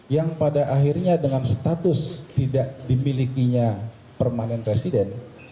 yang pada akhirnya dengan status tidak dimilikinya permanent resident